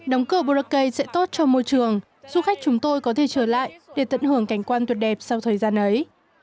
đóng cửa boracay sẽ tốt cho môi trường du khách chúng tôi có thể trở lại để tận hưởng cảnh quan tuyệt đẹp sau thời gian ấy